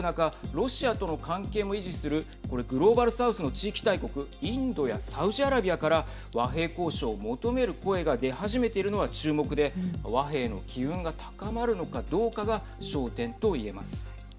ロシアとの関係も維持する、これグローバルサウスの地域大国インドやサウジアラビアから和平交渉を求める声が出始めているのは注目で和平の機運が高まるのかどうかが焦点と言えます。